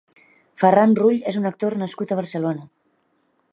Ferran Rull és un actor nascut a Barcelona.